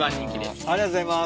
ありがとうございます。